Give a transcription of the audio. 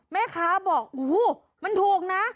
แม่ค้าบอกโอ้โหมันถูกนะ